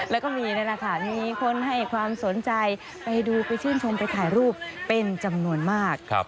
แล้วก็มีนั่นแหละค่ะมีคนให้ความสนใจไปดูไปชื่นชมไปถ่ายรูปเป็นจำนวนมาก